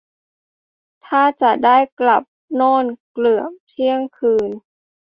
ท่าจะได้กลับโน่นเกือบเที่ยงคืน